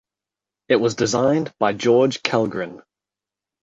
It was designed by George Kellgren.